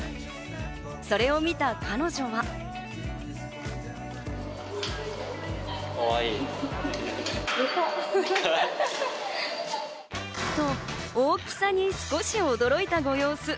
それを見た彼女は。と大きさに少し驚いたご様子。